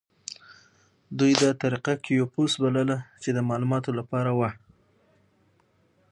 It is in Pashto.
دوی دا طریقه کیوپوس بلله چې د معلوماتو لپاره وه.